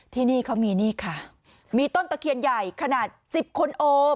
ที่นี่เขามีนี่ค่ะมีต้นตะเคียนใหญ่ขนาดสิบคนโอม